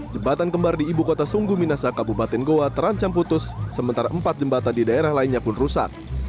jembatan kembar di ibu kota sungguh minasa kabupaten goa terancam putus sementara empat jembatan di daerah lainnya pun rusak